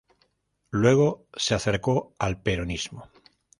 Luego se acercó al peronismo.